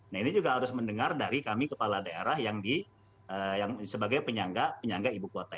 nah ini juga harus mendengar dari kami kepala daerah yang sebagai penyangga penyangga ibu kota